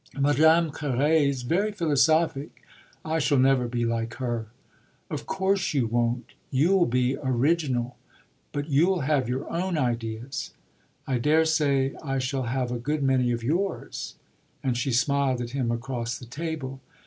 "Madame Carré's very philosophic. I shall never be like her." "Of course you won't you'll be original. But you'll have your own ideas." "I daresay I shall have a good many of yours" and she smiled at him across the table.